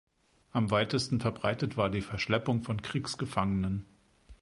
Am weitesten verbreitet war die Verschleppung von Kriegsgefangenen.